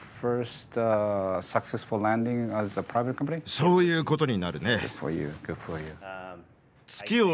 そういうことになるね。